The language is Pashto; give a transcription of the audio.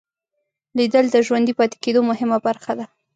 لیدل د ژوندي پاتې کېدو مهمه برخه ده